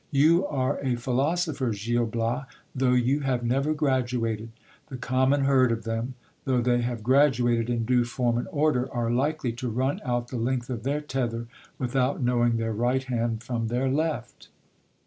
You are a phi losopher, Gil Bias, though you have never gradated ; the common herd of them, though they have graduated in due form and order, are likely to run out the length of their tether without knowing their right hand from their left.